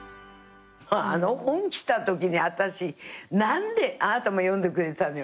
あの本来たときに私何であなたも読んでくれたのよね。